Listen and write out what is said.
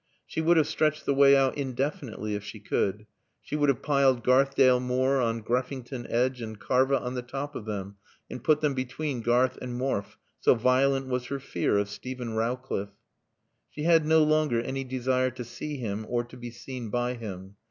She would have stretched the way out indefinitely if she could; she would have piled Garthdale Moor on Greffington Edge and Karva on the top of them and put them between Garth and Morfe, so violent was her fear of Steven Rowcliffe. She had no longer any desire to see him or to be seen by him.